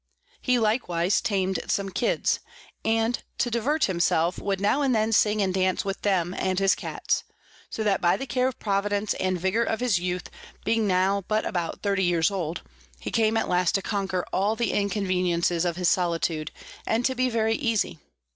He likewise tam'd some Kids, and to divert himself would now and then sing and dance with them and his Cats: so that by the Care of Providence and Vigour of his Youth, being now but about 30 years old, he came at last to conquer all the Inconveniences of his Solitude, and to be very easy.